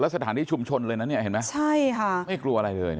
สถานที่ชุมชนเลยนะฟิฟันไม่กลัวอะไรเลย